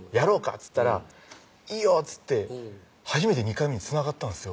っつったら「いいよ！」っつって初めて２回目につながったんですよ